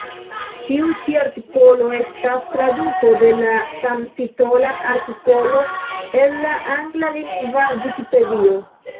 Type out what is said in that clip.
Tiu ĉi artikolo estas traduko de la samtitola artikolo el la anglalingva Vikipedio.